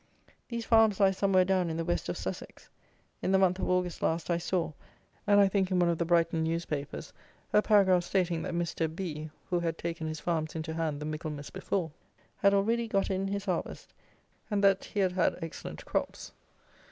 These farms lie somewhere down in the west of Sussex. In the month of August last I saw (and I think in one of the Brighton newspapers) a paragraph stating that Mr. B , who had taken his farms into hand the Michaelmas before, had already got in his harvest, and that he had had excellent crops!